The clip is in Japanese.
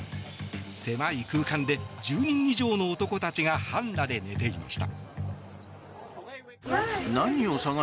狭い空間で１０人以上の男たちが半裸で寝ていました。